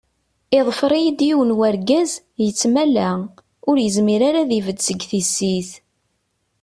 Iḍfer-iyi-d yiwen urgaz, yettmala, ur yezmir ara ad ibedd seg tissit.